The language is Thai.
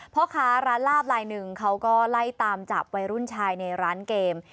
พ่อค้าร้านลาบลายหนึ่งเขาก็ไล่ตามจับวัยรุ่นชายในร้านเกม